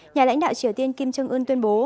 nhà lãnh đạo triều tiên kim chung un tuyên bố